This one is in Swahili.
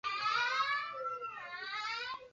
walikamatwa wakati walipoo yalipozuka maandamano